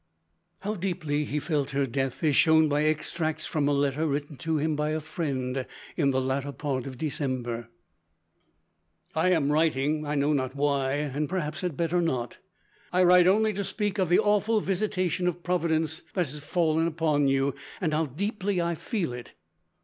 How deeply he felt her death is shown by extracts from a letter written to him by a friend in the latter part of December: "I am writing, I know not why, and perhaps had better not. I write only to speak of the awful visitation of Providence that has fallen upon you, and how deeply I feel it....